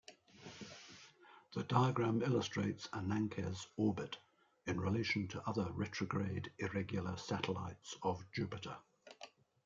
The diagram illustrates Ananke's orbit in relation to other retrograde irregular satellites of Jupiter.